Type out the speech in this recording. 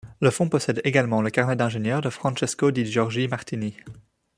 Le fonds possède également le carnet d'ingénieur de Francesco di Giorgio Martini.